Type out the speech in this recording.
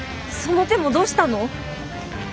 その手もどうしたの？